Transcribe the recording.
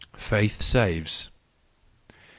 Faith Saves .